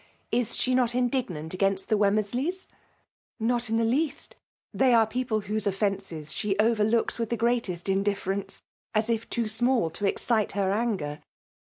Is she not indignant against the Wenmieisl^B ?'* Not in the least They ace pec^e whose offences she overlooks with the greatest indif ference ; as if too small to excite her anger.